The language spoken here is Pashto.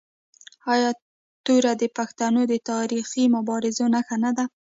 آیا توره د پښتنو د تاریخي مبارزو نښه نه ده؟